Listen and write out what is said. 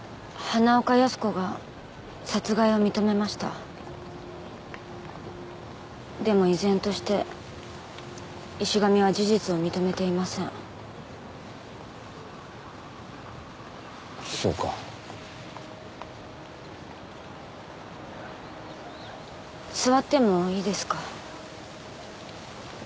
花岡靖子が殺害を認めましたでも依然として石神は事実を認めていませんそうか座ってもいいですか？